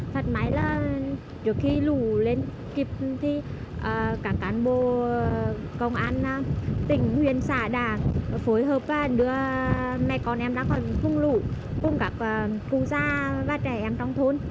thật máy là trước khi lũ lên kịp thì các cán bộ công an tỉnh nguyên xã đã phối hợp và đưa mẹ con em ra khỏi vùng lũ cùng các khu gia và trẻ em trong thôn